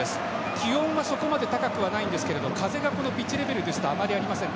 昨日はそこまで高くはないんですが風がこのピッチレベルですとあまりありません。